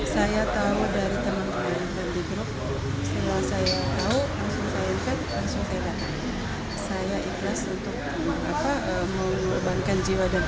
saya tahu dari teman teman di grup setelah saya tahu langsung saya ingat langsung saya datang